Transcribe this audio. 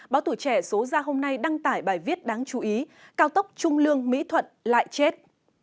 báo tủ trẻ số ra hôm nay đăng tải bài viết đáng chú ý cao tốc trung lương mỹ thuận lại chết